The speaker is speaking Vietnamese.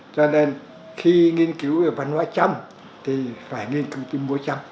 cho nên khi nghiên cứu về văn hóa trăm thì phải nghiên cứu về múa trăm